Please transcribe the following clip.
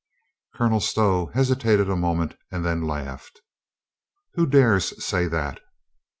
Colonel Stow hesitated a moment and then laughed. "Who dares say that?"